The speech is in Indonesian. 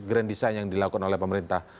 grand design yang dilakukan oleh pemerintah